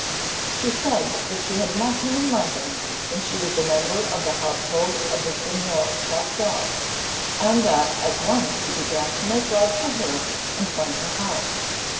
She said that she had met him in London when she was a member of the household of the Señor Castell, and that at once he began to make love to her and won her heart.